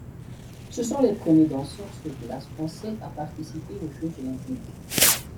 Ce sont les premiers danseurs sur glace français à participer aux jeux olympiques.